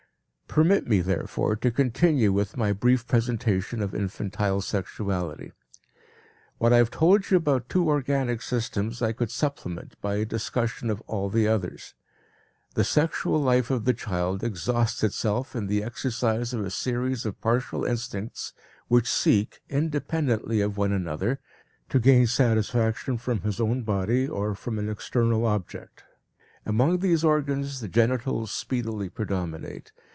Permit me, therefore, to continue with my brief presentation of infantile sexuality. What I have told you about two organic systems I could supplement by a discussion of all the others. The sexual life of the child exhausts itself in the exercise of a series of partial instincts which seek, independently of one another, to gain satisfaction from his own body or from an external object. Among these organs the genitals speedily predominate.